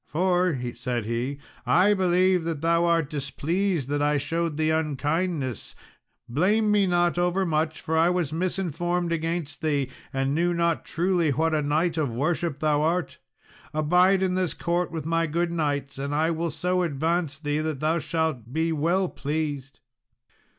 "For," said he, "I believe that thou art displeased that I showed thee unkindness; blame me not overmuch, for I was misinformed against thee, and knew not truly what a knight of worship thou art. Abide in this court with my good knights, and I will so advance thee that thou shalt be well pleased."